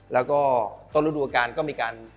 แล้วก็ต้นฤดูการก็มีการ